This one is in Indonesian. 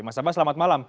mas abbas selamat malam